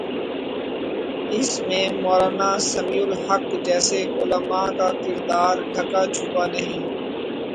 اس میں مولانا سمیع الحق جیسے علماء کا کردار ڈھکا چھپا نہیں۔